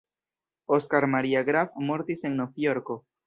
Oskar Maria Graf mortis en Novjorko.